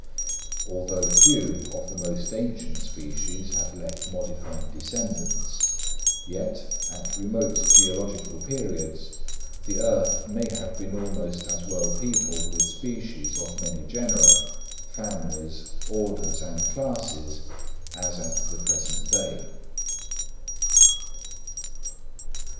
Although few of the most ancient species have left modified descendants, yet, at remote geological periods, the earth may have been almost as well peopled with species of many genera, families, orders and classes, as at the present day.